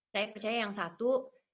saya percaya yang satu